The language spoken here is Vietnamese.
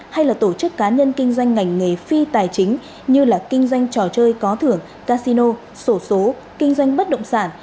hay là tổ chức cá nhân kinh doanh ngành nghề phi tài chính như là kinh doanh trò chơi có thưởng casino sổ số kinh doanh bất động sản